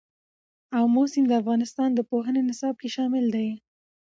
آمو سیند د افغانستان د پوهنې نصاب کې شامل دی.